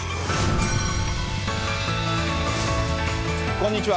こんにちは。